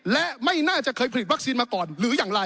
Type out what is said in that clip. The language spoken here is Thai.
และไม่น่าจะเคยผลิตวัคซีนมาก่อนหรืออย่างไร